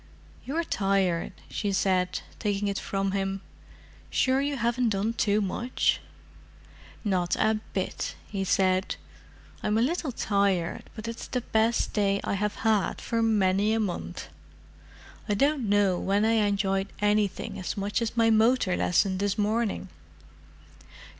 "You're tired," she said, taking it from him. "Sure you haven't done too much?" "Not a bit," he said. "I'm a little tired, but it's the best day I have had for many a month. I don't know when I enjoyed anything as much as my motor lesson this morning."